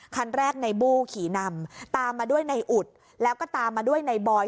คันแรกในบู้ขี่นำตามมาด้วยในอุดแล้วก็ตามมาด้วยในบอย